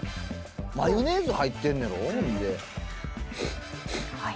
マヨネーズ入ってんねやろほんで。